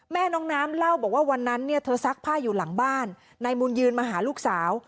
แม่น้องน้ำเล่าว่าวันนั้นเธอซักผ้าอยู่หลังบ้านในบุญยืนมาหาลูกสาว